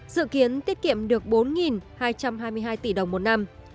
dự kiến tiết kiệm được bốn hai trăm hai mươi hai tỷ đồng một năm